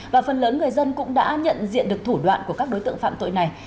và phần lớn người dân cũng đã nhận diện được thủ đoạn của các đối tượng phạm tội này